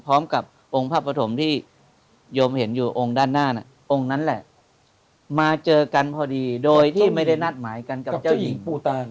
พร้อมกับองค์พระปฐมที่โยมเห็นอยู่องค์ด้านหน้าน่ะองค์นั้นแหละมาเจอกันพอดีโดยที่ไม่ได้นัดหมายกันกับเจ้าหญิงปูตาน